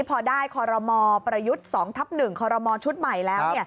พอได้คอรมอประยุทธ์๒ทับ๑คอรมอชุดใหม่แล้ว